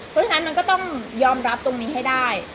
เพราะฉะนั้นมันก็ต้องยอมรับตรงนี้ให้ได้